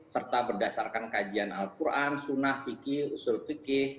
serta berdasarkan kajian al quran sunnah fikih usul fikih